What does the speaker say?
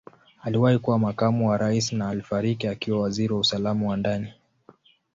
Aliwahi kuwa Makamu wa Rais na alifariki akiwa Waziri wa Usalama wa Ndani.